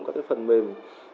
các phần mềm